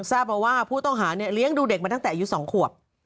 ทราบมาว่าผู้ต้องหาเนี่ยเลี้ยงดูเด็กมาตั้งแต่อายุ๒ขวบ